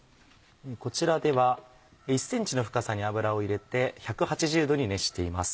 こちらでは１ｃｍの深さに油を入れて１８０℃に熱しています。